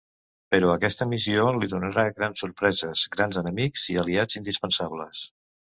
Però aquesta missió li donarà grans sorpreses, grans enemics i aliats indispensables.